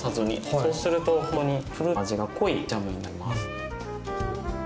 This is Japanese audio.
そうするとほんとにフルーツの味が濃いジャムになります。